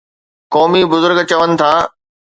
قومي بزرگ چون ٿا